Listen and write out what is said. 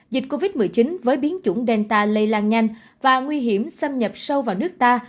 dịch covid một mươi chín với biến chủng delta lây lan nhanh và nguy hiểm xâm nhập sâu vào nước ta